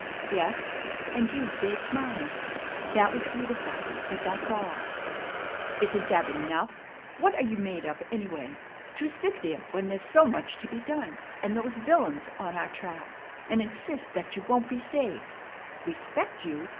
"Yes, and you saved mine. That was beautiful, but that's all." "Isn't that enough? What are you made of, anyway, to sit there when there's so much to be done, and those villains on our track, and insist that you won't be saved?' Respect you!